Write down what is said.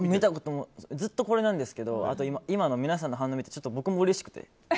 ずっとこれなんですけど今の反応を見てちょっと僕もうれしくて。